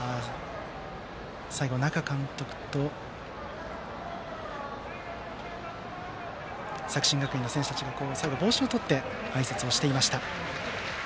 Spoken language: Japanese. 那賀監督と作新学院の選手たちが最後、帽子を取ってあいさつをしていました。